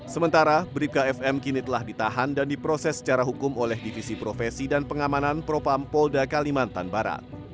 sementara bkfm kini telah ditahan dan diproses secara hukum oleh divisi profesi dan pengamanan propampolda kalimantan barat